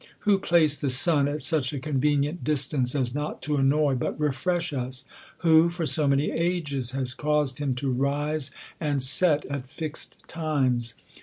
Who placed the sun at such a convenient distance as not to annoy, but refresh us ? Who, for so many ages, has caused him to rise and set at fixed times